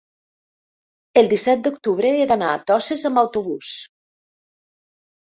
el disset d'octubre he d'anar a Toses amb autobús.